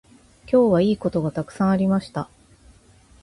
今日はいいことがたくさんありました。